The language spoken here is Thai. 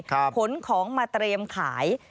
ขนของมาเตรียมขาย